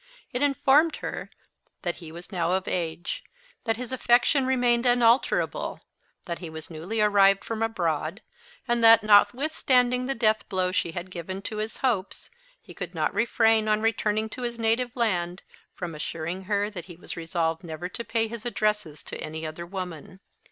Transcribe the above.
It informed her that he was now of age; that his affection remained unalterable; that he was newly arrived from abroad; and that, notwithstanding the death blow she had given to his hopes, he could not refrain, on returning to his native land, from assuring her that he was resolved never to pay his addresses to any other woman.